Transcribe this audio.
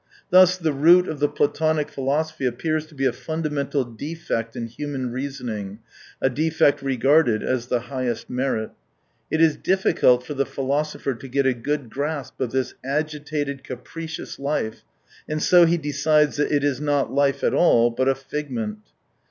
Thus the root of the Platonic philosophy appears to be a funda mental defect in human reasoning — a defect regarded as the highest merit. It is difficult for the philosopher to get a good grasp of this agitated, capricious life, and so he decides that it is not life at all, but a fig ment.